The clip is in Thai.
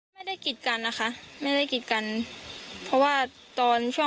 เกิดขึ้นกับน้องสาวจริง